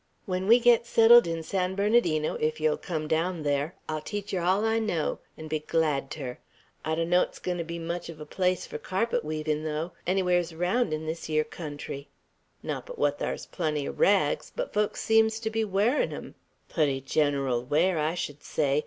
When we get settled in San Bernardino, if yer'll come down thar, I'll teach yer all I know, 'n' be glad ter. I donno's 't 's goin' to be much uv a place for carpet weavin' though, anywheres raound 'n this yer country; not but what thar's plenty o' rags, but folks seems to be wearin' 'em; pooty gen'ral wear, I sh'd say.